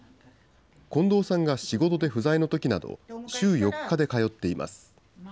近藤さんが仕事で不在のときなど、週４日で通っています。